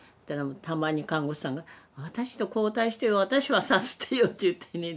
たまに看護師さんが「私と交代してよ私をさすってよ」って言ってね